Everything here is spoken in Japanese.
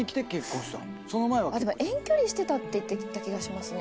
でも遠距離してたって言ってた気がします。